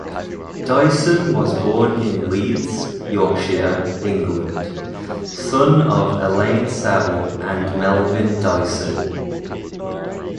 Dyson was born in Leeds, Yorkshire, England, son of Elaine Saville and Melvin Dyson.